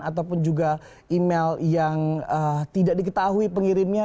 ataupun juga email yang tidak diketahui pengirimnya